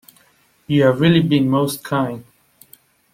You have really been most kind.